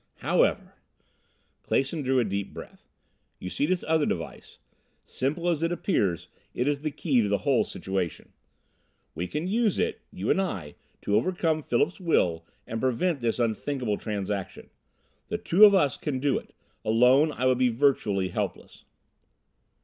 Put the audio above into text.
"However," Clason drew a deep breath "you see this other device? Simple as it appears, it is the key to the whole situation. We can use it you and I to overcome Philip's will and prevent this unthinkable transaction. The two of us can do it. Alone I would be virtually helpless."